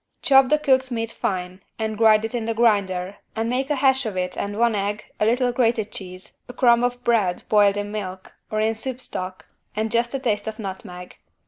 Chop the cooked meat fine and grind it in the grinder and make a hash of it and one egg, a little grated cheese, a crumb of bread boiled in milk or in soup stock and just a taste of nutmeg.